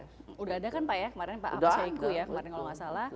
sudah ada kan pak ya kemarin pak apseiku ya